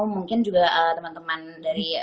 mungkin juga teman teman dari